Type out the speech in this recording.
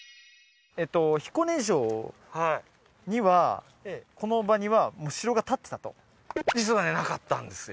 彦根城にはこの場には城がたってたと実はねなかったんですよ